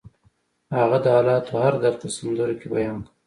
هغه د حالاتو هر درد په سندرو کې بیان کړ